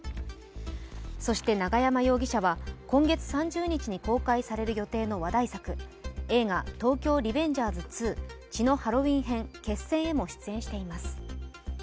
そして永山容疑者は今月３０日に公開される予定の話題作、「東京リベンジャーズ２血のハロウィン編−決戦−」にも出演しています。